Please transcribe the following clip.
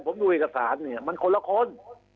ผมดูเอกสารเนี่ยมันคนละคน